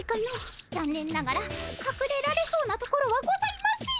ざんねんながらかくれられそうなところはございません。